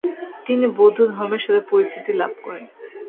তিনি বৌদ্ধধর্মের সাথে পরিচিতি লাভ করেন।